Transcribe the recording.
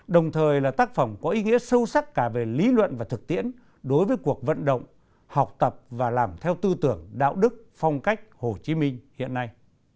đồng thời là tác phẩm có ý nghĩa sâu sắc cả về lý luận và thực tiễn đối với cuộc vận động học tập và làm theo tư tưởng đạo đức phong cách hồ chí minh hiện nay